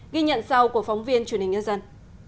ghi nhận sau của phóng viên truyền hình nhân dân